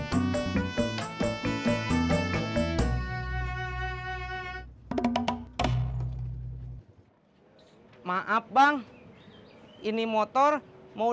soalnya saya nggak tega untuk ngecat kamu